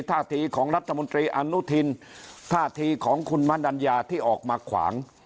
ท่าทีของรัฐมนตรีอนุทินท่าทีของคุณมนัญญาที่ออกมาขวาง